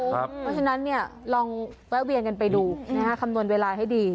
เพราะฉะนั้นลองแวะเวียนกันไปดูคำนวณเวลาให้ดี